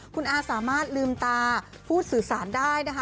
คุณอาสามารถลืมตาผู้สื่อสารได้นะคะ